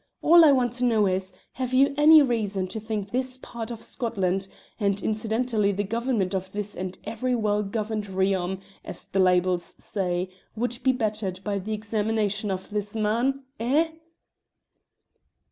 All I want to know is, have you any reason to think this part of Scotland and incidentally the government of this and every well governed realm, as the libels say would be bettered by the examination of this man? Eh?"